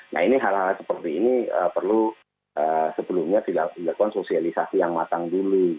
nah ini hal hal seperti ini perlu sebelumnya dilakukan sosialisasi yang matang dulu